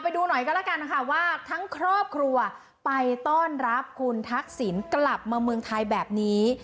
ไปดูหน่อยก็แล้วกันนะคะว่าทั้งครอบครัวไปต้อนรับคุณทักษิณกลับมาเมืองไทยแบบนี้